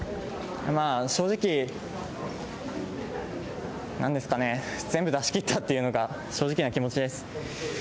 まあ、正直、なんですかね、全部出しきったっていうのが、正直な気持ちです。